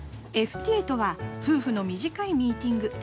ＦＴとは夫婦の短いミーティング。